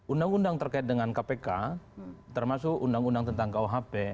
undang undang terkait dengan kpk termasuk undang undang tentang kuhp